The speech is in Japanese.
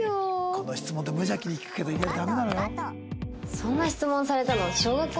この質問って無邪気に聞くけど意外とダメなのよ。